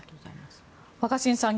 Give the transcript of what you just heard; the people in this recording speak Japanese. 若新さん